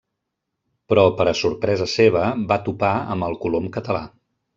Però, per a sorpresa seva, va topar amb el Colom català.